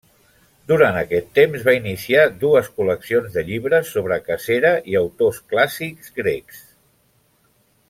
Durant aquest temps va iniciar dues col·leccions de llibres sobre cacera i autors clàssics grecs.